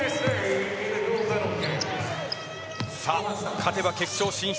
勝てば決勝進出。